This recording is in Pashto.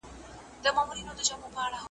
د مېرمني چي بینا سوې دواړي سترګي ,